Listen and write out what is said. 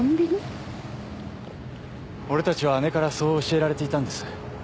俺たちは姉からそう教えられていたんです。